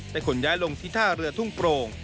ขนย้ายลงที่ท่าเรือทุ่งโปร่ง